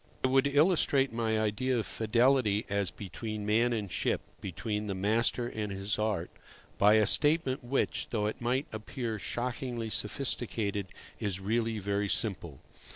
I would illustrate my idea of fidelity as between man and ship, between the master and his art, by a statement which, though it might appear shockingly sophisticated, is really very simple.